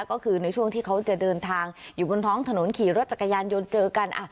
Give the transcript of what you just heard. ก็คือในช่วงที่เขาจะเดินทางอยู่บนท้องถนนขี่รถจักรยานยนต์เจอกัน